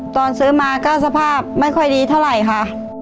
ตอนซื้อมาก็สภาพไม่ค่อยดีเท่าไหร่ค่ะ